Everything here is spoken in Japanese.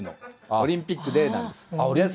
オリンピックデーなんです。